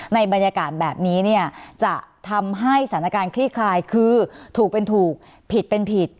ในบรรยากาศแบบนี้เนี่ยจะทำให้สถานการณ์คลี่คลายคือถูกเป็นถูกผิดเป็นผิด